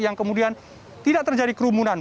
yang kemudian tidak terjadi kerumunan